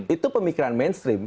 itu pemikiran mainstream